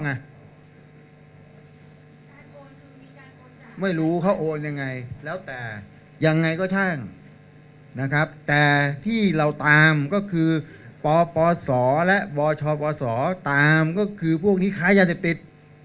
ไม่รู้เขาโอนยังไงแล้วแต่ยังไงก็ช่างนะครับแต่ที่เราตามก็คือปปศและบชปศตามก็คือพวกนี้ค้ายาเสพติด